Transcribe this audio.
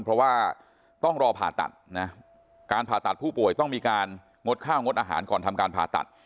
เพราะว่าต้องรอผ่าตัดนะการผ่าตัดผู้ป่วยต้องมีการงดข้าวงดอาหารก่อนทำการผ่าตัด